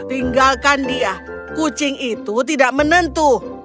tinggalkan dia kucing itu tidak menentu